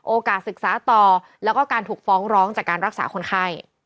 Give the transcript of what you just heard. ศึกษาต่อแล้วก็การถูกฟ้องร้องจากการรักษาคนไข้